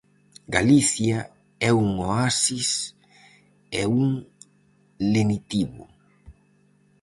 Galicia é un oasis e un lenitivo.